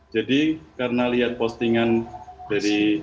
karena lihat postingan dari